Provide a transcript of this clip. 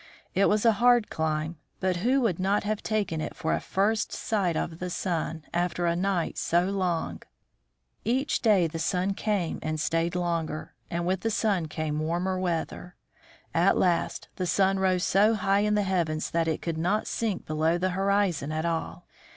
It was a hard climb, but who would not have taken it for a first sight of the sun, after a night so long ? Each day the sun came and stayed longer, and with the sun came warmer weather. At last the sun rose so high in the heavens that it could not sink below the horizon at all.